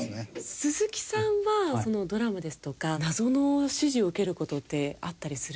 鈴木さんはドラマですとか謎の指示を受ける事ってあったりするんですか？